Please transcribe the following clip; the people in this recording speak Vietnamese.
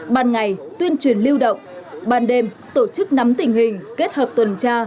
ban ngày tuyên truyền lưu động ban đêm tổ chức nắm tình hình kết hợp tuần tra